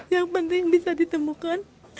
yang penting bisa ditemukan